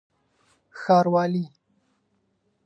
ښاروالي